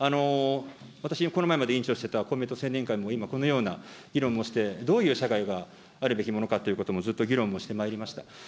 私、この前まで委員長していた公明党の青年委員会でも今、このような議論もして、どういう社会があるべきものかということもずっと議論もしてまいりました。